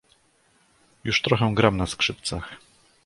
"Już trochę gram na skrzypcach."